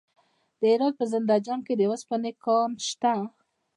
د هرات په زنده جان کې د وسپنې کان شته.